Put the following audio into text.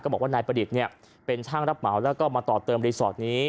บอกว่านายประดิษฐ์เป็นช่างรับเหมาแล้วก็มาต่อเติมรีสอร์ทนี้